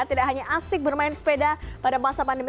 tidak hanya asik bermain sepeda pada masa pandemi